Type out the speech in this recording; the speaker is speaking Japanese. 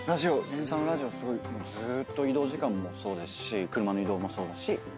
芸人さんのラジオずーっと移動時間もそうですし車の移動もそうだし昼食も。